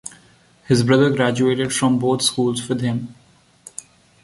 His brother graduated from both schools with him.